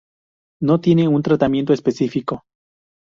No tiene un tratamiento específico.